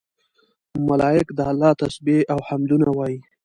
ملائک د الله تسبيح او حمدونه وايي